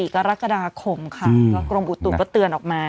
๒๐๒๔กรกฎาคมข้างกรมอุตรตุมก็เตือนออกมา